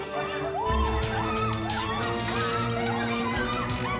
kalian gimana diam sih